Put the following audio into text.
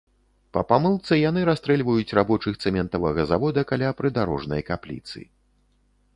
Па памылцы яны расстрэльваюць рабочых цэментавага завода каля прыдарожнай капліцы.